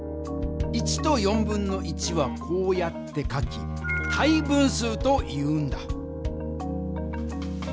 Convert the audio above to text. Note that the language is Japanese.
１と1/4はこうやって書き「帯分数」というんだ。